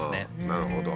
なるほど。